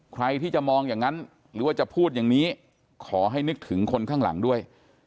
ใครที่จะมองอย่างนั้นหรือว่าจะพูดอย่างนี้ขอให้นึกถึงคนข้างหลังด้วย